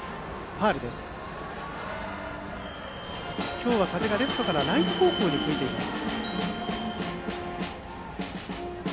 今日は風がレフトからライト方向に吹いています。